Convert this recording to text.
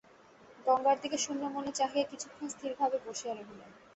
গঙ্গার দিকে শূন্যমনে চাহিয়া কিছুক্ষণ স্থিরভাবে বসিয়া রহিলেন।